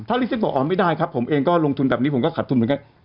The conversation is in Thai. ถ้าลิเซตบอกอ๋อไม่ได้ครับผมเองก็ลงทุนแบบนี้ผมก็ขัดทุนเหมือนกัน